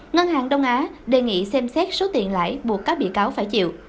ngân hàng đông á đề nghị xem xét số tiền lãi buộc các bị cáo phải chịu